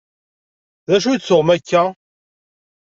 D acu i d-tuɣem akka?